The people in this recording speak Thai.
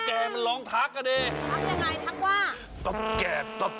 อย่างเช่นพิ้วกระตุกหน้ากระตุก